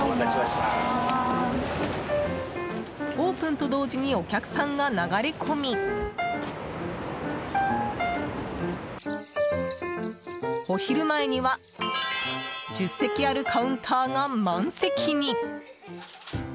オープンと同時にお客さんが流れ込みお昼前には１０席あるカウンターが満席に。